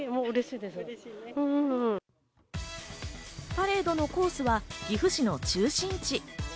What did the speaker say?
パレードコースは岐阜市の中心地。